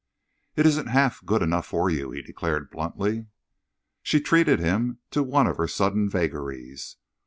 "It isn't half good enough for you," he declared bluntly. She treated him to one of her sudden vagaries.